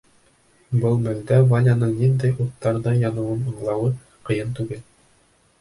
Был мәлдә Валянең ниндәй уттарҙа яныуын аңлауы ҡыйын түгел.